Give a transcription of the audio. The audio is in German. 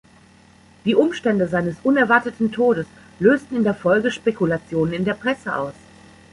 Die Umstände seines unerwarteten Todes lösten in der Folge Spekulationen in der Presse aus.